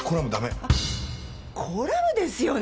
あっコラムですよね。